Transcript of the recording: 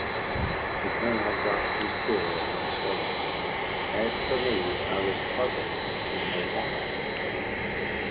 The Colonel dropped his quill and stared. As for me, I was puzzled to know why.